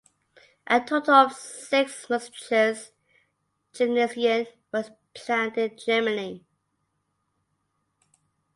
A total of six Musisches Gymnasien were planned in Germany.